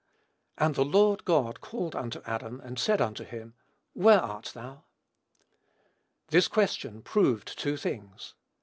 "And the Lord God called unto Adam, and said unto him, Where art thou?" This question proved two things.